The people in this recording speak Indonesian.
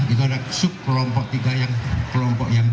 itu ada sub kelompok tiga yang kelompok yang dua